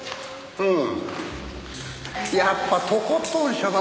うん。